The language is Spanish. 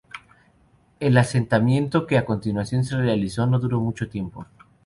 El asentamiento que a continuación se realizó no duró mucho tiempo.